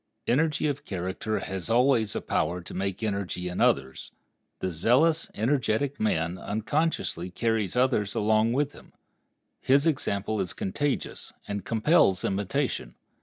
Energy of character has always a power to make energy in others. The zealous, energetic man unconsciously carries others along with him. His example is contagious, and compels imitation.